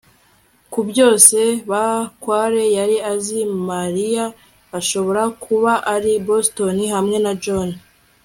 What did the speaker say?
kubyose bakware yari azi, mariya ashobora kuba ari i boston hamwe na john